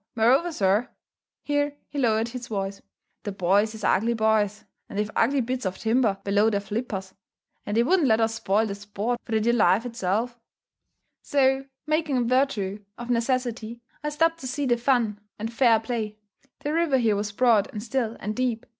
Moreover, sir," here he lowered his voice; "the boys is ugly boys, and they've ugly bits of timber below their flippers, and they wouldn't let us spoil the sport for the dear life itself." So, making a virtue of necessity, I stopped to see the fun and fair play. The river here was broad, and still, and deep.